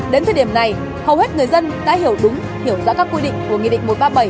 đến thời điểm này hầu hết người dân đã hiểu đúng hiểu rõ các quy định của nghị định một trăm ba mươi bảy